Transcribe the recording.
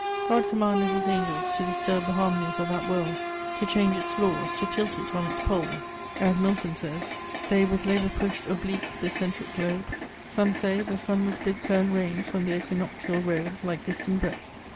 God commanded his angels to disturb the harmonies of that world, to change its laws, to tilt it on its poles. As Milton says: They with labour push'd Oblique the centric Globe: some say, the Sun Was bid turn reins from th' equinoctial road Like distant breadth.